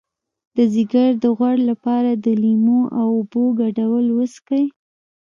د ځیګر د غوړ لپاره د لیمو او اوبو ګډول وڅښئ